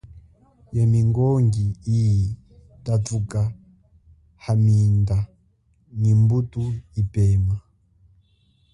Ye mingongi iyi tatuka haminde ni mbuto yipema.